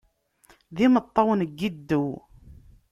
D imeṭṭawen n yiddew.